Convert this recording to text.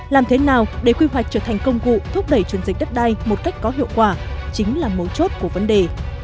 làm thế nào để quy hoạch trở thành công cụ thúc đẩy chuyển dịch đất đai một cách có hiệu quả chính là mấu chốt của vấn đề